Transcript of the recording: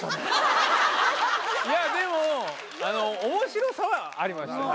いやでも面白さはありました。